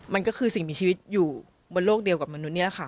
มันก็คือสิ่งมีชีวิตอยู่บนโลกเดียวกับมนุษย์นี่แหละค่ะ